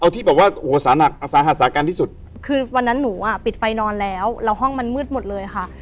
ที่แบบว่าโอ้โหสาหนักอสาหัสสากันที่สุดคือวันนั้นหนูอ่ะปิดไฟนอนแล้วแล้วห้องมันมืดหมดเลยค่ะ